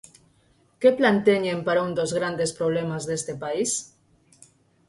¿Que plan teñen para un dos grandes problemas deste país?